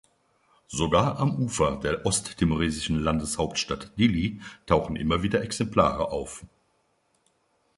Sogar am Ufer der osttimoresischen Landeshauptstadt Dili tauchen immer wieder Exemplare auf.